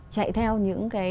chạy theo những cái